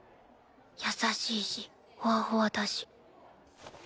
優しいしほわほわだし。